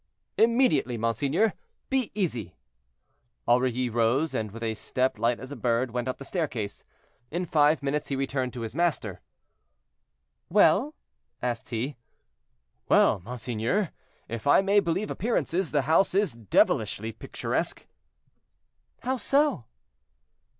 "Immediately, monseigneur; be easy." Aurilly rose, and, with a step light as a bird, went up the staircase. In five minutes he returned to his master. "Well?" asked he. "Well, monseigneur, if I may believe appearances, the house is devilishly picturesque." "How so?"